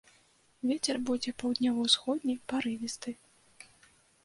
Вецер будзе паўднёва-ўсходні, парывісты.